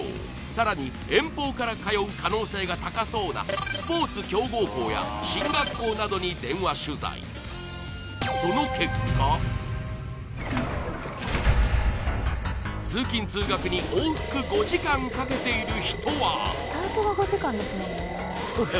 さらに遠方から通う可能性が高そうなスポーツ強豪校や進学校などに電話取材通勤通学に往復５時間かけている人はスタートが５時間ですもんね